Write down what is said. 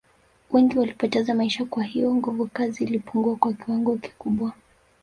Wengi walipoteza maisha kwa hiyo nguvukazi ilipungua kwa kiwango kikubwa